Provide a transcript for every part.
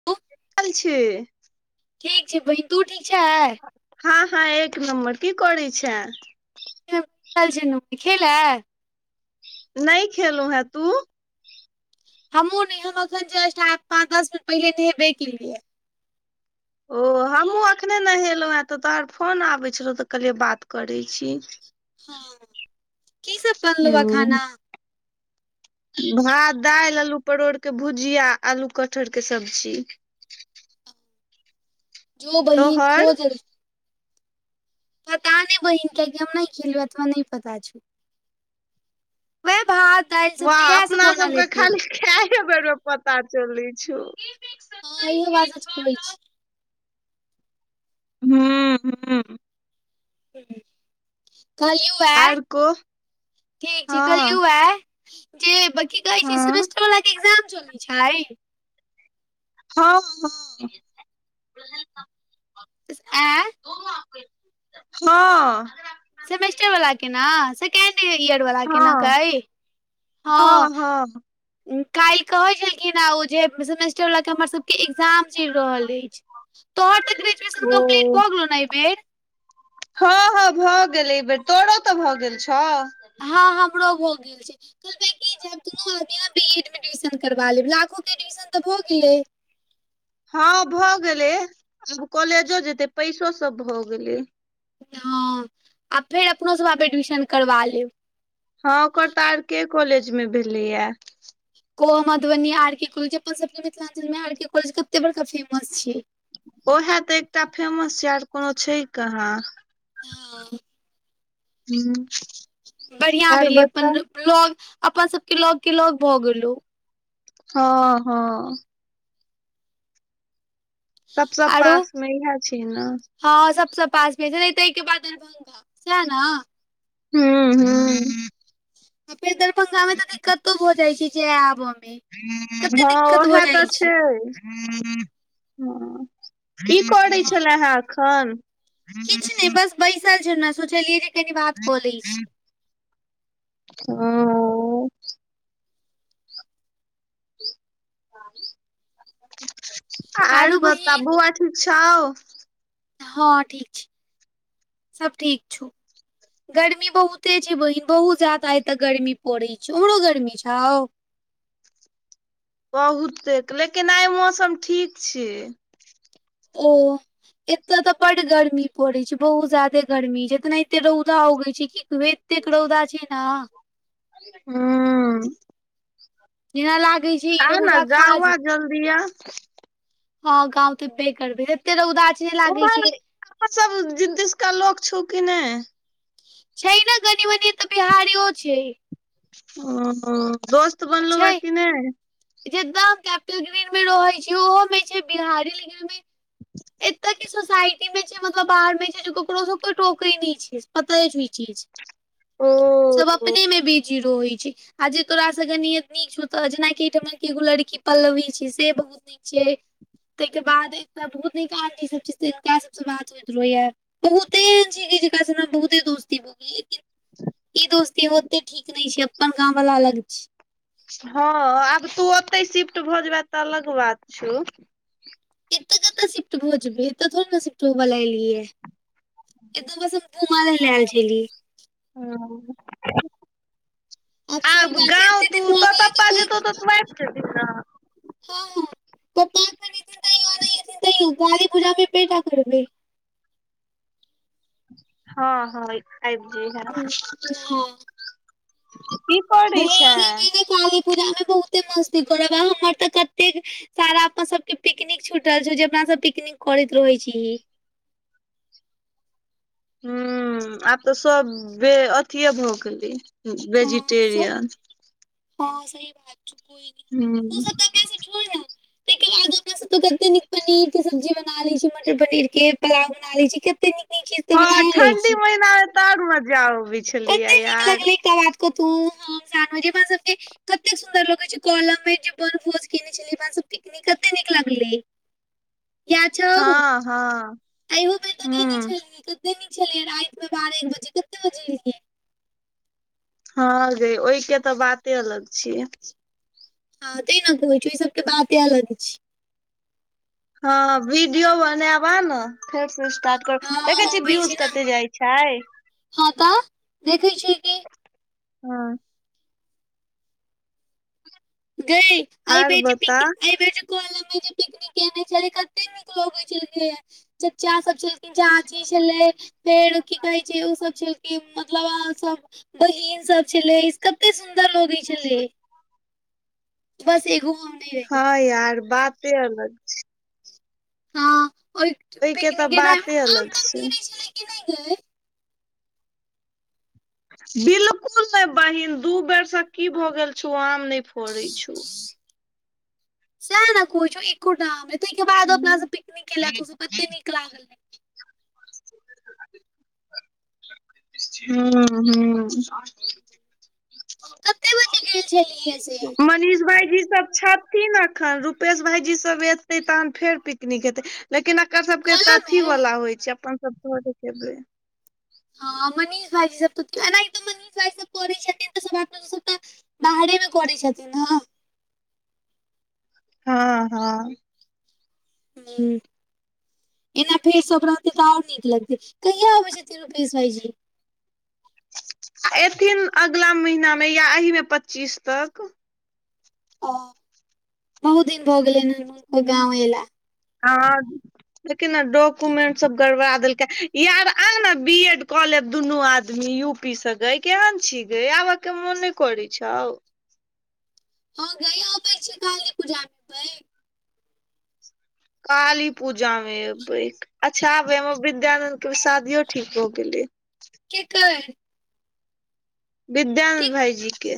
[inaudible] आयल छिय ठीक छै बहीन तू ठीक छाँ हँ हँ एक नम्बर की करै छाँ [inaudible] खेलाऐं नहि खेलेलू हैं तू हमहुँ ने हम अखन जस्ट आ पाच दस मिनट पहिले नहेबे केलियै ओ हमहूँ अखने नहेलहुँ हे तऽ तोहर फोन आबैत छलौ तऽ कहलिये बात करै छी हँ की सब बनलु या हूँ खाना भात दालि आलू परोरके भुजिया आलू कठहर के सब्जी जो बहिन खो तोहर जल्दी सँ पता नहि बहिन किया की हम नै खेलहुँ या तोरा नहि पता छो वएह भात दालि सब्जी इह सब बनल हेतेए खाये बेर मे पता चलै छो हँ इहो बात सच कहै छी हुँ हँ- कहलियू याह आर को ठीक छै हँ कहलियू याह जे बकी कहै छै हँ सेमेस्टर वला के एक्जाम चलै छै हँ हँ ओहा त आंय - हाँ सेमेस्टर वाला के ने सेकेण्ड इयर वला के हँ न गय हँ हँ काल्हि कहै छलखिन हे ओ जे सेमेस्टर लऽ के हमरसभके एक्जाम चलि रहल अछि तोहर तऽ ग्रेजुएशन कम्प्टलिट ओ भ गेलौ न एहि बेर हँ हँ भऽ गेल एहि बेेर तोरो तऽ भऽ गेल छौ हँ हमरो भ गेल छै तोहर भाय कहै जे हम दुनू आदमी आ बी एड मे एडमिशन करबा लेब लाखो के एडमिशन तऽ भ गेले हँ भऽ गेलै आब कॉलेजो जेते पैसो सब भऽ गेलै हँ आ फेर अपनो सब आब एडमिशन करबा लेब हँ ओकर त आर के कॉलेज मे भेलेया कोन मधुबनी आर के कॉलेज अपन सबके मिथिलाञ्चल मे आर के कॉलेज कते बड़का फेमस छै ओएहे तऽ एकटा फेमस छै आर कोनो छै कहाँ हँ हुँ बढ़िया भेलै अपन लग अपन सबके लग के लग भऽ गेलो हँ हाँ सबस आरो पास मे इएह छै ने हँ सबसँ पास भेज ताहिके बाद दरभ्ंगा सह ने हूँ हूँ फेर दरभंगा मे तऽ दिक्कतो भ जाइ छै जए आबऽ मे कते हँ दिक्कत उह भऽ तऽ जाइ छै हँ की करै हँ छलेहेँ एखन किछु नहि बस बैसल छी ने सोचलियै जे कनी बात कऽ लै छी ह आर आरो बहिन बताबु आ ठीक छौ हँ ठीक छै सब ठीक छौ गर्मी बहुते छै बहिन बहुत ज्यादा एत गर्मी पड़ै छै ओमहरो गर्मी छौ बहुतेक लेकिन आइ मौसम ठीक छै ओ एतय तऽ बड गर्मी पड़े छै बहुत ज्यादे गर्मी छै एतना एते रौदा उगै छै कबे एतेकड़ौदा छै ने ह्म जेना लागै छै इ र ने उदा खाजेते गाँवा जल्दिया हँ गाँंव तेबे करबै एते रौदाछै लागै छै अह सब जिद्दिश का लोक छौ कि नहि छै ने घनी बनी तऽ बिहारीयो छै ओ दोस्त बनलुवे की ने जेत कैपिटल ग्रीन में रहे छी ओहो में छै बिहारी लिन मे [inaudible] एते के सोसाायटी में छै मतलब बाहर में छै केकरो सब कोई टोके नै छै पता छै इ चीज [inaudible] ओ सब अपने मे बीजी रहय छै आ जे तोरासँनियत नीक छौ तऽ जेनाकि एहिठमन केएगो लड़की पल्लवी छी से बहुत नीक छै तै के बाद एकटा बहुत नीक आदमी सब छथिन तिनका सबसँ बात होइत रहैया बहुते एहन छी जीनकासे बहुते दोसती भौ गेल‌ हं ई दोस्ती ओते ठीक नै छै अपन गाँंव वाला अलग छी हँ आब तू ओतै शिफ्ट भऽ जेब तऽ अलग बात छौ एतऽ क तऽ शिफ्ट भ जेबै एत थोड़े ने शिफ्ट होब ल‌ एलियै एतौ बस हम घुमै ल आयल छलियै हँ सारी आब बात छै गाँव एते दिन तू भऽ गेलै तऽ तपप्पा कोइ जेतौ तऽ आइब जेबही न हँ हँ प्पा कआाली पूजा प पेठा करबे [unintelligible] हँ हँ इ आइब जैहाँ हँ की पढ़ै बहिन एहि छैं बेर काली पूजा मे बहुते मस्ती कर हमर तऽ कतेक सारा अपन सबके पिकनिक छुटल छौ जे अपना सब पिकनिक करैत रहै छीही ह्म आब तऽ सब बे अथिये भऽ गेलै हँ से वेजिटेरियन हँ सही बात छै [unintelligible] हूं आब अपना सब के कते नीक पनीर के सब्जी बना ले छी मटर पनीर के पुलाव बना ले छी कत हँ ठण्डी महिना मे त और मजा आबै छै कते नीक लगलै एक बात क तू हम सान जेे म सबके कते सुंन्दर लगैत छै कॉलम मे जे बन भोज केने छल सब पिकनिक कते नीक लगले हँ हँ अइहो बेर तऽ केने हूं छलियै कते नीक छलियै राइत मे बारह एक बजे कते बजे एलहीं हँ गे ओहि के तऽ बाते अलग छीय हँ तै न क कहइ छ ओहि सब बात इएह लगै छै हँ वीडियो बनाएब आ ने फेर से स्टार्ट कर देखै हँ छी अबै व्यूज ने कते जाय छै हँ तऽ देखै छियै कि हँ गे एहि आर बेर जे बता पिक ए बेर जे कलम मे जे पिकनिक केने छल कते न ओ छलखिन हे चाचा सब छलखिन झाझी छलै फेर की कहै छै ओ सब छलिखीन क मतलब अहाँ सब बहिन सब छलै कते सुन्दर लगै छलै बस एगो हम नहि रही हँ यार बाते अलग छै हँ ओय ओहिके तऽ पिकनिक त आम बाते अलग ताम छै गिरे छले क नहि गे बिलकुल नहि बहिन दू बेरसँ की भऽ गेल छौ आम नहि फड़ै छौ सेहने कहै छियौइको एको टाआम तेय के बाद अपना हूं सब पिकनिक केैला तुसभ कते नीक लागलै- हॅंं हॅं [inaudible] कते बजे गेल छलियै से मनीष भाइ जी सब छथिन एखन रूपेश भाईजी सब एतै तहन फेर पिकनिक हेतै लेकिन एकर सबके तऽ कॉलेज अथी मे वाला होइ छै अपन सब के भजैते अबेड़ हँ मनीष भाइजी सब एनाहिंतौ मनीष भाइजी सब करै छथिन त सबटा बाहरेमे करै छथिन हॅं हँ हाँ हूं एना फेर सब रहतै तऽ आओर नीक लगतै कहिया अबै छथिन रूपेश भाईजी आ एथिन अगिला महिनामे या एहिमे पच्चीस तक ओ बहुत दिन भऽ गेलै उनको गाँंव एला हाँ देखेकि ने डॉक्युमेंट सब गड़बा देलकै यार आने बी एड कऽ लेब दुनू आदमी युप- पीस गऽ केहन छींगे आब के मोन नहि करै छौ हँ गय अबै छी काली पूजा मे बै काली पूजा मे एबै अच्छा आबेर विद्यानंद के शादियो ठीक हो गेले केकर के विद्यानंद भाईजी के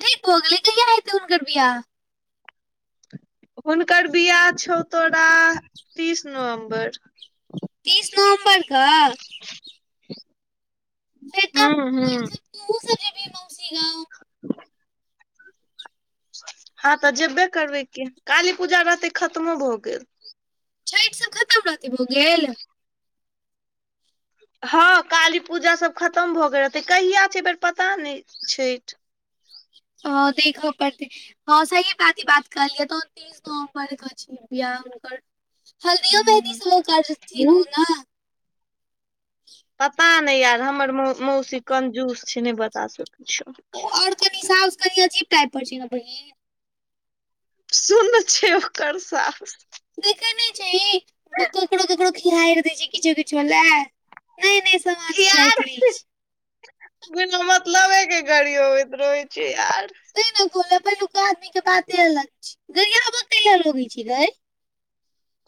ठीक भोगले कहिय हैत उनकर बिआह हुनकर बिआाह छौ तोरा तीस नवम्बर तीस नवम्बरके हुँ हुँ तुहुँ सब जेब हिन् मौसी गाँंव हँ तऽ जेबे करबै की काली पूजा रहतै खत्मो भऽ गेल छैठ सब खतम रहते भऽ गेल हँ काली पूजा सब खतम भऽ गेल रहते कहिया छै एहि बेर पता नहि छेठ हॅं देखऽ पड़तै हँ सही बात इ बात कहलियै तऽ हाँ बड़ क छै बिआह हुनकर हल्दियो मेंहदी सब करथिन हूँ ओ ने पता नहि यार हमर मौसी कन जूस छै नहि बता सकै छीओ और कनी साउस कनी अजीब टाइप पर छै ने बहिन सुन छै ओकर साअस देखै नहि छैहि ककरो ककरो खिआइर दै छै किछ किछु लेय नय नय ान छीीज ऐकल [unintelligible] कोनो मतलबे गाड़ीअबैत रहै छै आर तें न पहिलुका आदमी के बाते अलग छै गरियाब कए ला लागेय छै गेय [unintelligible]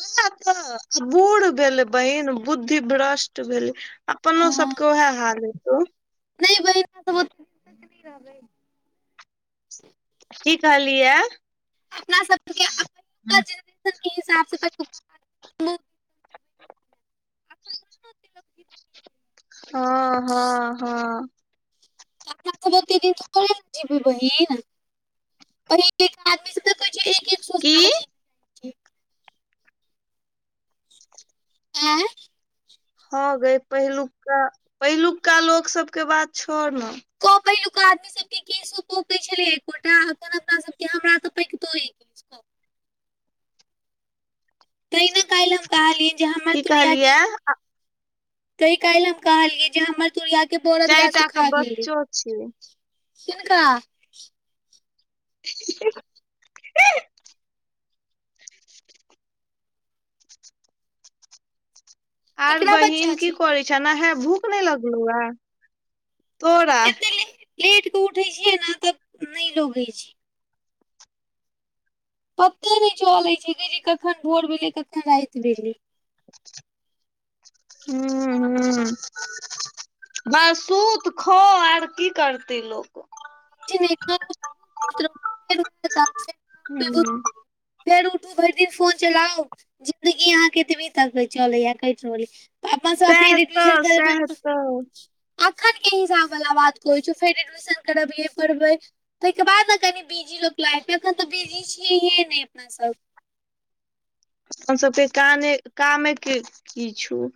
ओ तऽ बूढ़ भेलै बहिन बुद्धि भ्रष्ट भेलै अपनो सबके उएह हाल हेतौ नहि बहिन- की कहलियै अपना सबके के अपना जिंदगी कें हिसाब स- हँ हँ हँ अपना सब अते दिन थोरे नऽ जिबही बहिन ओही लेल की जी आय हँ गै पहिलुका पहिलुका लोक सबके बात छौर न क पहिलुका आदमी सब केसो पोके छले एकोटा अखन अपना सब के हमरा तऽ पैकितो यऽ [inaudible] तैय न काल्हि हम कहलियै जे हमर की तुड़ियके कहलियै तैय काल्हि हम कहलियै जे हमर तुुरियाके बौरद गाछ चारिटा के सुखा गेलै बच्चो छै किनका [inaudible] आओर केकरा बहिन बच्चा की छै करै छ नहे भूख नइ लगलौ अय तोरा एते लेट के उठे छियै न तब नइ लगैए छै पते नहि चलैत छै जे कखन भोर भेलै कखन राति भेलै हूँ हूँ बस सुत खो और की करते लोग कुछ ने [unintelligible] हू फेर उठू भरि दिन फोन चलाउ जिंन्दगी अहाँ ऐतबी तक चलै य कटि रहल सएह तऽ ये सएह तऽ [unintelligible] एखन के हिसाब वला बात कहै छियो फेर एडमिशन करबिय पढ़बै ताहिके बाद न कनि बिजी लोक लाइफमे एखन तऽ बिजी छियैहे नहि अपनासभ अपनसभके काम कामे कि की छौ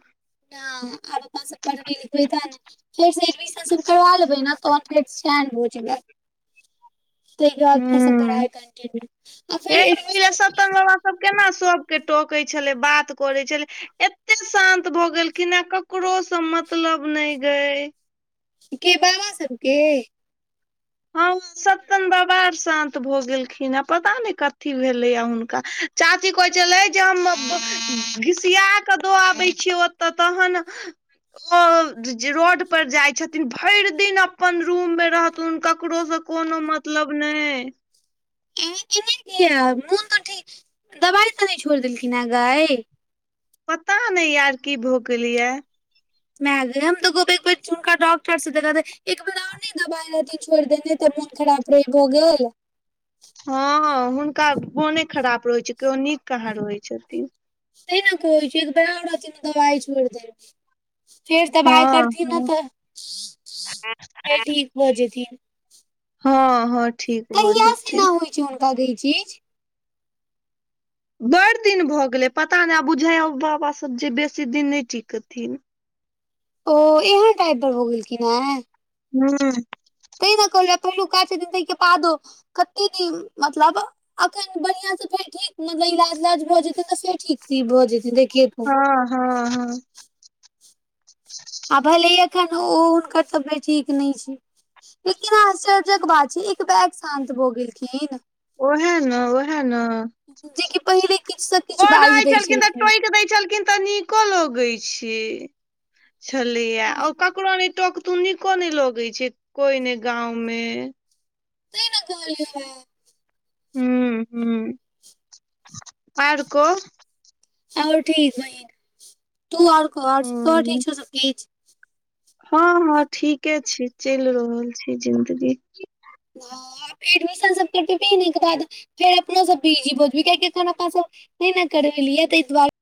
हँ आब अपना सब पढ़बे लिखबे तैय नऽ फेर एडमिशन सब करबा लेबै न तहन फेरबै चैन भऽ जेबै ताहिके बाद फेर सँ हूं पढ़ाइ कन्टिन्यू आ फेर हे एडमिशन [unintelligible] केना सब के टोके छलै बात करे छलै एत्ते शान्त भऽ गेलखि हैय ककरो सँ मतलब नई गेय के बाबा सभके हँ सत्तन बाबा आर शान्त भऽ गेलखिन आ पता नेय कथी भेलैए हऽ हुनका चाची कहै छलै जे हम घिसिया क दऽ आबै छियै ओतअ तहन ओ रोड पर जाइ छथिन भरि दिन अपन रूम मे रहथुन क ककरो सँ कोनो मतलब नेय ऐना किया नहि य मोन ते ठीक दवाइ तऽ नहि छोड़ देलखिन हेँ गा पता नय यार की भऽ गेलैय ये मै गय हम तऽ कहबै एक बेर हुनका डॉक्टर सँ देखा देेही एक बेार और नई दबाई रहथिन छोड़ देने तऽ मोन खराब रहैय भऽ गेल हँ हुनका मोने खराप रहैत छै कहियो नीक कहाँ रहै छथिन तेय नऽ कहे छियो एक बेर और दवाई छोड़ि देै ने फेर हँ दबाई करथिन न हँ तऽ फेर ठीक भ जेथिन हँ हँ ठीक भऽ कहियास से जेतै एना होइ छै हुनका गेय ई चीज बड़ दिन भऽ गेलै पता नइ आ बुझााय बाबा सब जे बेसी दिन नइ टिकथिन ओ एहन टाइपर भऽ गेलखिन हे हूँ तै ने कहलिय पहिलु का छथिन ताहिके बादो कते दिन मतलब अखन बढ़िआँ सँ फेर ठीक मतलब इलाज उलाज भऽ जेतै तऽ फेर ठीक ई भऽ जेतै देखियै तू हँ हँ हँ आ भले एखन ओ हुनकर तबियत ठीक नय छै लेकिन आश्चर्यजक बात छै एक बैग शान्त भऽ गेलखिन ओहा ने ओहा ने जेकि पहिले किछु से किछु ओ बाजि रहै दै छलखिन तऽ हेँ। टोइक दै छलखिन तऽ नीको लगै छी छलैया हँ ओ ककरो नै टोक तू निको ने लगे छै कोई ने गांव में तै ने कहलियौ है हु हु आर कह आओर ठीक बहिन तू आओर कह आओर सब हूँ ठीक छो सब किछ हँ हँ ठीके छै चेल रहल छै जिंदगी ह एडमिशन सब करते पीने के बाद फेर अपनो सब बीजी भय जेबे कियाकी एखन अपना पास नहि नहि करबेलियै तइ दुआरे